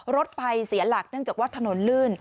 รถไฟเสียหลักเนื่องจากว่าถนนลื่น